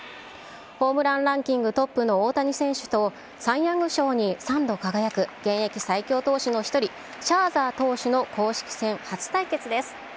ホームランランキングトップの大谷選手と、サイ・ヤング賞に３度輝く現役最強投手の一人、シャーザー投手の公式戦初対決です。